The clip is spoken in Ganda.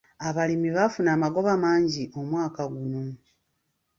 Abalimi baafuna amagoba mangi omwaka guno.